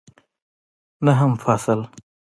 نهم فصل